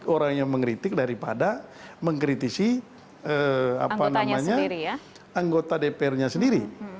orang yang mengkritik daripada mengkritisi anggotanya sendiri